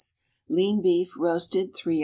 Lean beef, roasted, 3 h.